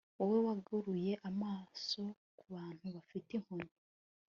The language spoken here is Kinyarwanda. Wowe wagaruye amaso kubantu bafite inkoni